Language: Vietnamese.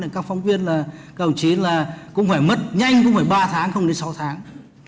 các phóng viên các bộ trí cũng phải mất nhanh cũng phải ba tháng không đến sáu tháng